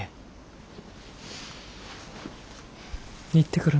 行ってくるね。